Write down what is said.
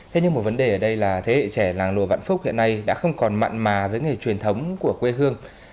thế nhưng một vấn đề ở đây là thế hệ trẻ làng lùa vạn phúc hiện nay đã không còn mặn mà với nghề truyền thống của quê hương